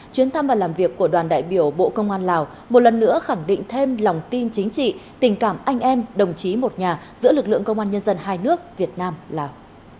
chuyến thăm và làm việc của đoàn đại biểu bộ công an lào một lần nữa khẳng định thêm lòng tin chính trị tình cảm anh em đồng chí một nhà giữa lực lượng công an nhân dân hai nước việt nam lào